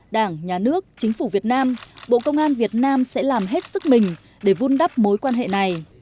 đảng nhà nước chính phủ việt nam bộ công an việt nam sẽ làm hết sức mình để vun đắp mối quan hệ này